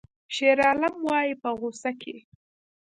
شیرعالم وایی په غوسه کې